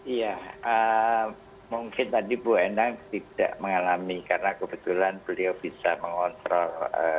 iya mungkin tadi bu endang tidak mengalami karena kebetulan beliau bisa mengontrol